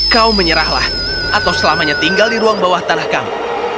kau menyerahlah atau selamanya tinggal di ruang bawah tanah kamu